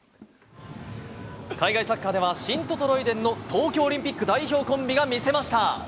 海外サッカーでは、シントトロイデンの東京オリンピック代表コンビが見せました。